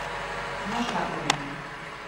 Знаш како ми је?